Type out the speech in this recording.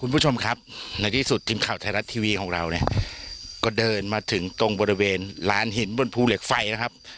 คุณผู้ชมครับในที่สุดทีมข่าวไทยรัฐทีวีของเราเนี่ยก็เดินมาถึงตรงบริเวณลานหินบนภูเหล็กไฟนะครับ